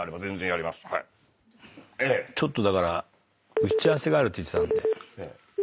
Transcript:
ちょっと打ち合わせがあるって言ってたんで。